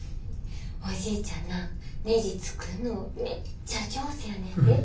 おじいちゃんなねじ作んのめっちゃ上手やねんで。